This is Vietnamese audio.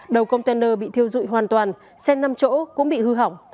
đầu container bị thiêu dụi hoàn toàn xe năm chỗ cũng bị hư hỏng